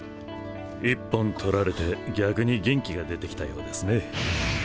一本取られて逆に元気が出てきたようですね。